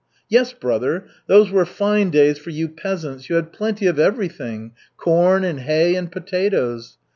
"Yes, brother, those were fine days for you peasants. You had plenty of everything, corn and hay and potatoes.